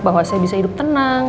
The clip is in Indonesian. bahwa saya bisa hidup tenang